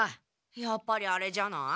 やっぱりあれじゃない？